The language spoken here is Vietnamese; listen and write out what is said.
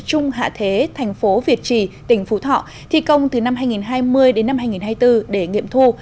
trung hạ thế thành phố việt trì tỉnh phú thọ thi công từ năm hai nghìn hai mươi đến năm hai nghìn hai mươi bốn để nghiệm thu